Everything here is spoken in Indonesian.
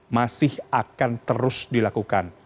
masih akan terus dilakukan